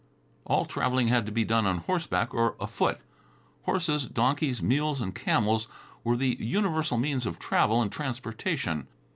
All traveling had to be done on horseback or afoot. Horses, donkeys, mules and camels were the universal means of travel and transportation.